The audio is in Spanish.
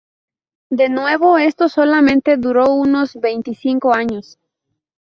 De nuevo, esto solamente duró unos veinticinco años.